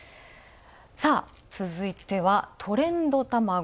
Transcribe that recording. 続いては、トレンドたまご。